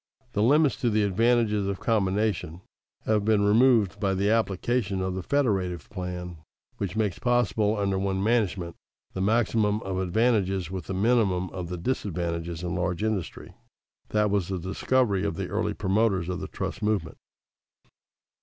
The limits to the advantages of combination have been removed by the application of the federative plan which makes possible under one management the maximum of advantages with the minimum of the disadvantages in large industry. That was the discovery of the early promoters of the trust movement.